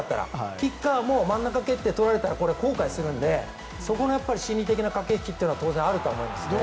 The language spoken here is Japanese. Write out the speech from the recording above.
キッカーも真ん中蹴って取られたら後悔するのでそこの心理的な駆け引きはあると思います。